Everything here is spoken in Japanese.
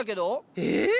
えっ？